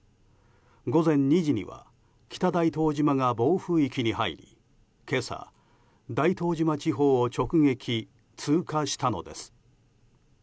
午前２時には北大東島が暴風域に入り今朝、大東島地方を直撃通過したのです。